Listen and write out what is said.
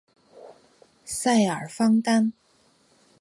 塞尔方丹。